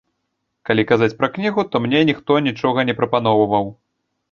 Калі казаць пра кнігу, то мне ніхто нічога не прапаноўваў.